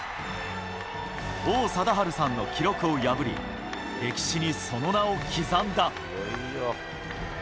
王貞治さんの記録を破り、歴史にその名を刻んだ。